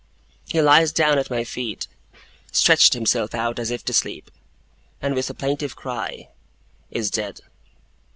He lies down at my feet, stretches himself out as if to sleep, and with a plaintive cry, is dead.